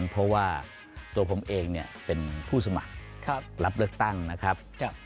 เพราะว่าตัวผมเองเป็นผู้สมัครรับเลือกตั้งนะครับ